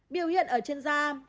biểu hiện ở trên da